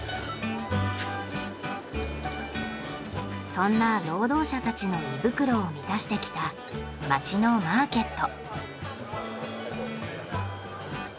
そんな労働者たちの胃袋を満たしてきた街のマーケット。